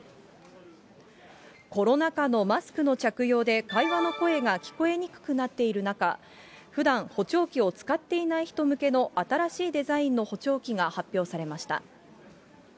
コロナ禍のマスクの着用で、会話の声が聞こえにくくなっている中、ふだん、補聴器を使っていない人向けの新しいデザインの補聴器が発表されました。